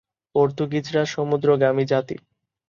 পর্তুগিজরা সমুদ্রগামী জাতি।